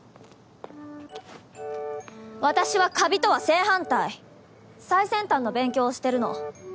私はカビとは正反対最先端の勉強をしてるの。